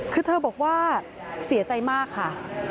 คือเธอบอกว่าเสียใจมากค่ะ